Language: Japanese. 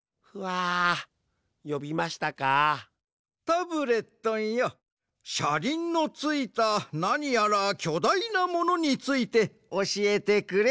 タブレットンよしゃりんのついたなにやらきょだいなものについておしえてくれ。